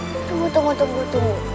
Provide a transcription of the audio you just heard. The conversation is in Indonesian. eh tunggu tunggu tunggu tunggu